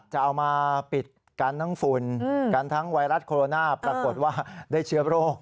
จะเอามาปิดกันทั้งฝุ่นกันทั้งไวรัสโคโรนาปรากฏว่าได้เชื้อโรค